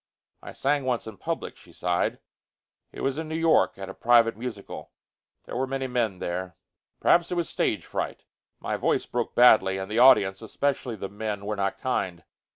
"I sang once in public," she sighed. "It was in New York, at a private musical. There were many men there. Perhaps it was stage fright; my voice broke badly, and the audience, especially the men, were not kind.